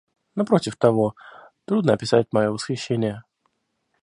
Напротив того, трудно описать мое восхищение.